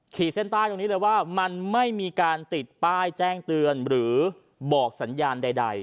ขีดเส้นใต้ตรงนี้เลยว่ามันไม่มีการติดป้ายแจ้งเตือนหรือบอกสัญญาณใด